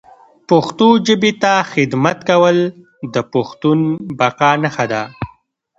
پښتو ژبي ته خدمت کول د پښتون بقا نښه ده